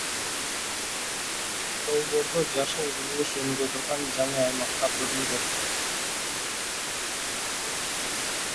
Долбоордо жашыл курулуш өнүгө турган жаңы аймактар бөлүнгөн.